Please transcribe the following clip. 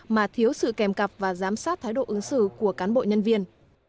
mà thiếu sự kèm cặp và giám sát thái độ ứng xử của cán bộ nhân viên